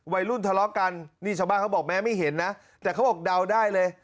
วัยรุ่นทะเลาะกันนี่ชาวบ้านเขาบอกแม้ไม่เห็นนะแต่เขาบอกเดาได้เลย